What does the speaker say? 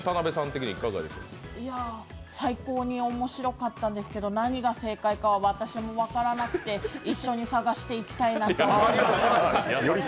いや、最高に面白かったんですけど、何が正解かは私も分からなくて一緒に探していきたいなと思います。